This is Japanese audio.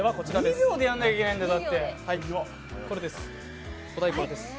２秒でやらなきゃいけないんだよ。